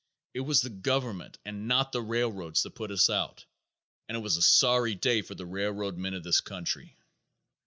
It was the government and not the railroads that put us out, and it was a sorry day for the railroad men of this country.